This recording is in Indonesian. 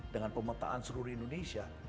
dengan pemetaan seluruh indonesia